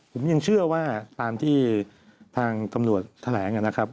ผมยังเชื่อว่าตามที่ทางตำรวจแถลงนะครับ